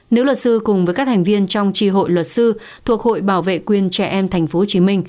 nếu luật sư cùng với các thành viên trong tri hội luật sư thuộc hội bảo vệ quyền trẻ em tp hcm